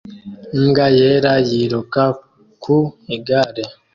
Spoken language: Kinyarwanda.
Imbwa yera yiruka ku igare